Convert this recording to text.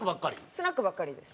スナックばっかりです。